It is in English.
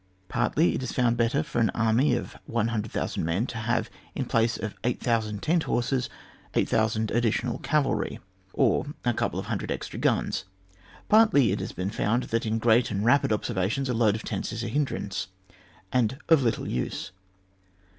Partly it is found better for an army of 100,000 men to have, in place of 6,000 tent horses, 6,000 additional cavalry, or a couple of hundred extra guns, partly it has been found that in great and rapid operations a load of tents is a hindrance, and of little use.